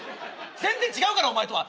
全然違うからお前とは。